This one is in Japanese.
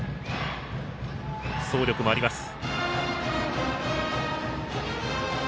走力もあります。